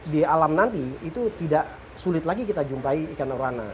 di alam nanti itu tidak sulit lagi kita jumpai ikan orana